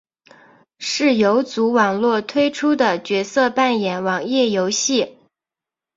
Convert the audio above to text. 是游族网络推出的角色扮演网页游戏。